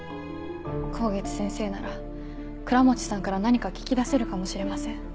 香月先生なら倉持さんから何か聞き出せるかもしれません。